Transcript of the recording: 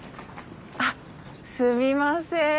あっすみません。